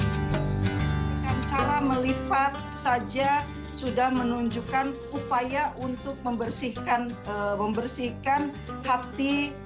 dengan cara melipat saja sudah menunjukkan upaya untuk membersihkan hati